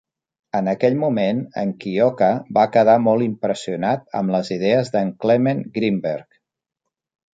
En aquell moment, en Kiyooka va quedar molt impressionat amb les idees d'en Clement Greenberg.